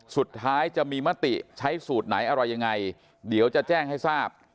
สุดท้ายจะมีมติใช้สูตรไหนอะไรยังไงเดี๋ยวจะแจ้งให้ทราบ